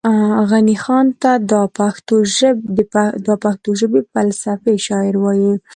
غني خان ته دا پښتو ژبې فلسفي شاعر وايي